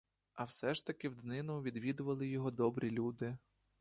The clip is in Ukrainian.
А все ж таки в днину відвідували його добрі люди.